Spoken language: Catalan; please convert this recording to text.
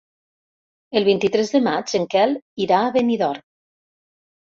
El vint-i-tres de maig en Quel irà a Benidorm.